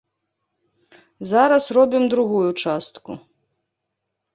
Зараз робім другую частку.